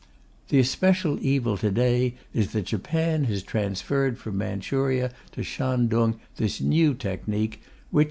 The especial evil to day is that Japan has transferred from Manchuria to Shantung this new technique, which